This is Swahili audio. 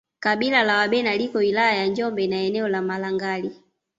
Kabila la Wabena liko wilaya ya Njombe na eneo la Malangali